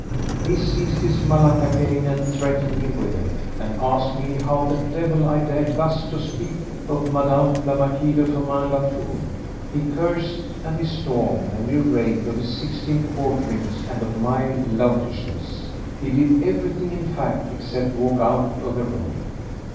He seized his malacca cane and threatened me with it, and asked me how the devil I dared thus to speak of Mme. la Marquise de Firmin Latour. He cursed, and he stormed and he raved of his sixteen quarterings and of my loutishness. He did everything in fact except walk out of the room.